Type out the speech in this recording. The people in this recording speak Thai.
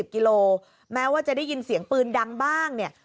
กิโลแม้ว่าจะได้ยินเสียงปืนดังบ้างเนี่ย